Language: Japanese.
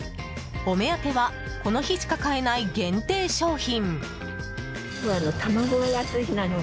お目当てはこの日しか買えない限定商品。